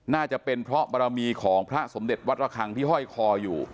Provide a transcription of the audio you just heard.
น่าจะเป็นเพราะบารมีของพระสมเด็จวัดระคังที่ห้อยคออยู่